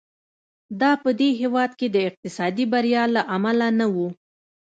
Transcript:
دا په دې هېواد کې د اقتصادي بریا له امله نه و.